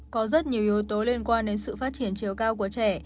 có rất nhiều yếu tố liên quan đến sự phát triển chiều cao của trẻ